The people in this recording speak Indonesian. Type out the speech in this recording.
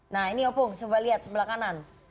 nah ini opung coba lihat sebelah kanan